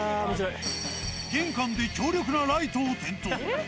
玄関で強力なライトを点灯。